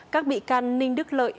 các bị can ninh đức lợi